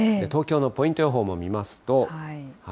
東京のポイント予報も見ますと。